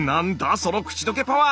その口溶けパワー。